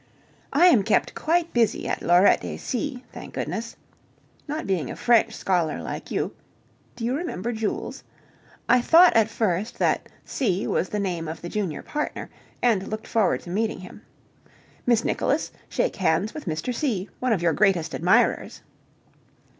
I am kept quite busy at Laurette et Cie., thank goodness. (Not being a French scholar like you do you remember Jules? I thought at first that Cie was the name of the junior partner, and looked forward to meeting him. "Miss Nicholas, shake hands with Mr. Cie, one of your greatest admirers.")